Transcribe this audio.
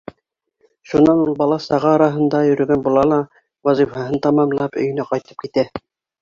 Шунан ул бала-саға араһында йөрөгән була ла, вазифаһын тамамлап, өйөнә ҡайтып китә.